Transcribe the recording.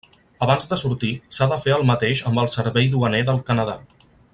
Abans de sortir, s'ha de fer el mateix amb el servei duaner del Canadà.